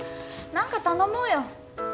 何か頼もうよ。